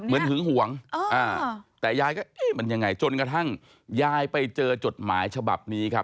หึงหวงแต่ยายก็เอ๊ะมันยังไงจนกระทั่งยายไปเจอจดหมายฉบับนี้ครับ